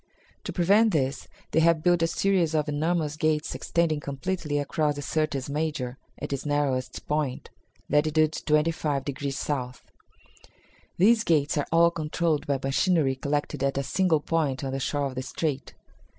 "To prevent this they have built a series of enormous gates extending completely across the Syrtis Major at its narrowest point (latitude 25 degrees south). These gates are all controlled by machinery collected at a single point on the shore of the strait.